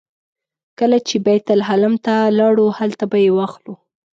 کله چې بیت لحم ته لاړو هلته به یې واخلو.